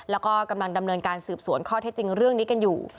แล้วก็กำลังดำเนินการสืบสวนข้อเท็จจริงเรื่องนี้กันอยู่